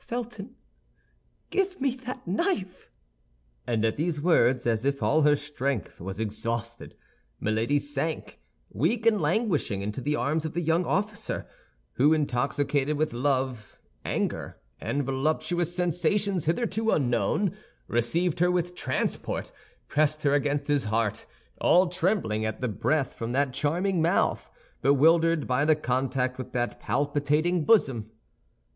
Felton, give me that knife!" And at these words, as if all her strength was exhausted, Milady sank, weak and languishing, into the arms of the young officer, who, intoxicated with love, anger, and voluptuous sensations hitherto unknown, received her with transport, pressed her against his heart, all trembling at the breath from that charming mouth, bewildered by the contact with that palpitating bosom.